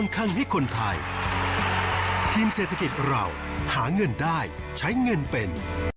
ใช้เงินเป็น